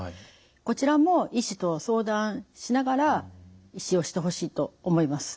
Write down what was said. こちらも医師と相談しながら使用してほしいと思います。